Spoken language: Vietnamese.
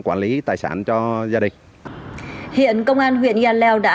cuộc chiến tích mua s hut rồi